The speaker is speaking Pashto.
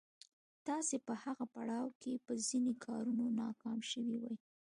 تاسې په هغه پړاو کې په ځينو کارونو ناکام شوي وئ.